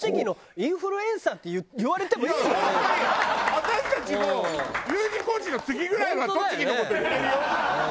私たちもうＵ字工事の次ぐらいは栃木の事言ってるよ。